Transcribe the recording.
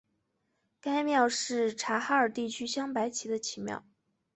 该庙是察哈尔地区镶白旗的旗庙。